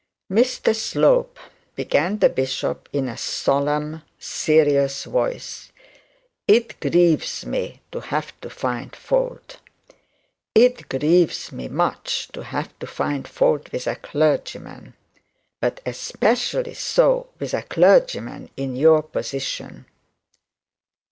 'Mr Slope,' began the bishop, in a solemn, serious voice, 'it grieves me to have to find fault. It grieves me much to find fault with a clergyman; but especially so with a clergyman in your position.'